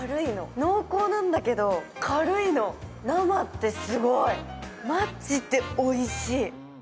濃厚なんだけど軽いの、生ってすごい、マジでおいしい。